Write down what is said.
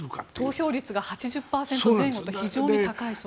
投票率が８０％前後と非常に高いそうで。